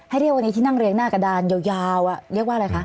เรียกวันนี้ที่นั่งเรียงหน้ากระดานยาวเรียกว่าอะไรคะ